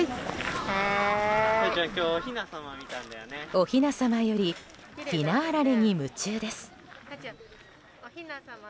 おひなさまよりひなあられに夢中です。